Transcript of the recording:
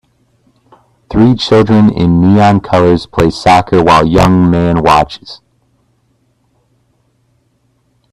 Three children in neon colors play soccer while young man watches